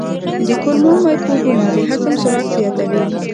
د کولمو مایکروبونه د هضم سرعت زیاتوي.